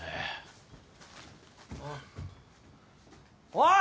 おい。